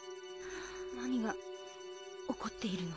何が起こっているの？